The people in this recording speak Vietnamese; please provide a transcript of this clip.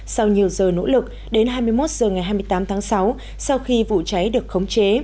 sau nhiều giờ nỗ lực đến hai mươi một h ngày hai mươi tám tháng sáu sau khi vụ cháy được khống chế